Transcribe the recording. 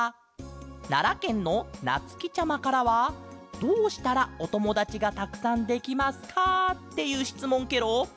ならけんのなつきちゃまからは「どうしたらおともだちがたくさんできますか？」っていうしつもんケロ。